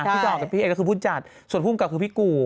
จอกับพี่เอกก็คือผู้จัดส่วนภูมิกับคือพี่กู่